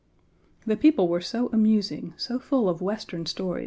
The people were so amusing, so full of Western stories.